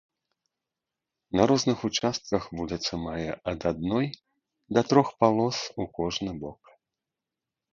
На розных участках вуліца мае ад адной да трох палос у кожны бок.